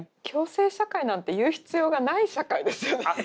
共生社会なんて言う必要がない社会ですよね。